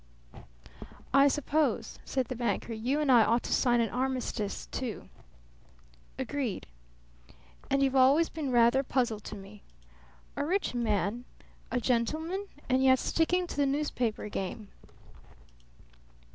"I suppose," said the banker, "you and I ought to sign an armistice, too." "Agreed." "And you've always been rather a puzzle to me. A rich man, a gentleman, and yet sticking to the newspaper game."